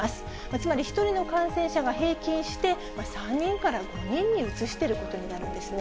つまり１人の感染者が平均して、３人から５人にうつしていることになるんですね。